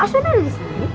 asun ada disini